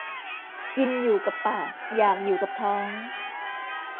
กินอยู่กับปากอยากอยู่กับท้อง